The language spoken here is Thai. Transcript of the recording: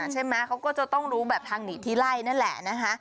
ใช่ไหมเขาก็จะต้องรู้แบบทางหนีที่ไล่นั่นแหละนะคะ